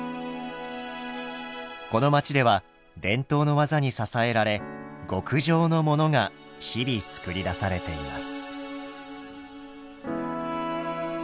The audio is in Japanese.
この街では伝統の技に支えられ極上のモノが日々作り出されています。